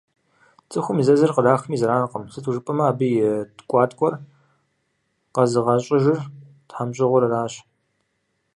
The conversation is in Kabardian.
Цӏыхум и зэзыр кърахми зэранкъым, сыту жыпӏэмэ, абы ит ткӏуаткӏуэр къэзыгъэщӏыжыр тхьэмщӏыгъур аращ.